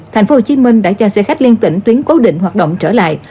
thành phố hồ chí minh đã cho xe khách liên tỉnh tuyến cố định hoạt động trở lại